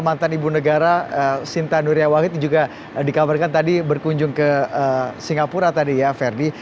mantan ibu negara sinta nuria wahid juga dikabarkan tadi berkunjung ke singapura tadi ya ferdi